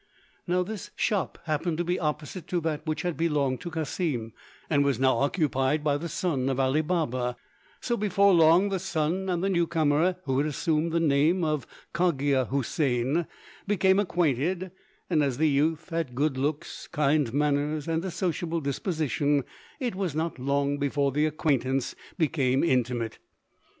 Now this shop happened to be opposite to that which had belonged to Cassim and was now occupied by the son of Ali Baba; so before long the son and the new comer, who had assumed the name of Cogia Houssain, became acquainted; and as the youth had good looks, kind manners, and a sociable disposition, it was not long before the acquaintance became intimate.